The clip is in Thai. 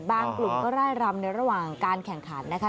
กลุ่มก็ไล่รำในระหว่างการแข่งขันนะคะ